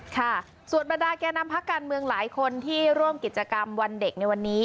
ค่ะส่วนบรรดาแก่นำพักการเมืองหลายคนที่ร่วมกิจกรรมวันเด็กในวันนี้